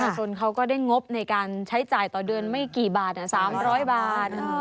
ชนเขาก็ได้งบในการใช้จ่ายต่อเดือนไม่กี่บาท๓๐๐บาท